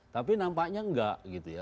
tapi nampaknya enggak